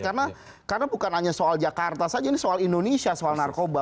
karena bukan hanya soal jakarta saja ini soal indonesia soal narkoba